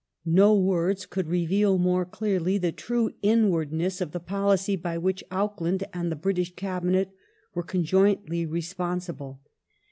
^ No words could reveal more clearly the true inwardness of the pohcy for which Auckland and the British Cabinet were conjointly responsible.